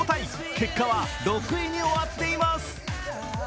結果は６位に終わっています。